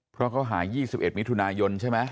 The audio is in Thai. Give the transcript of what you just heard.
เพราะเขาหาย๒๑มิถุนายนใช่ไหม